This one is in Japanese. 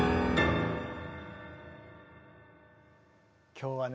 今日はね